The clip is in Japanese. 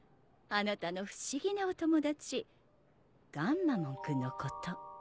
あなたの不思議なお友達ガンマモン君のこと。